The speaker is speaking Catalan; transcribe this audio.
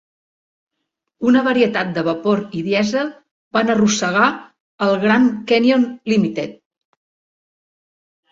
Una varietat de vapor i dièsel van arrossegar el "Grand Canyon Limited".